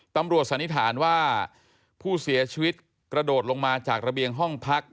สันนิษฐานว่าผู้เสียชีวิตกระโดดลงมาจากระเบียงห้องพัก